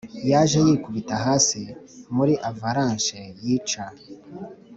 yaje yikubita hasi muri avalanche yica.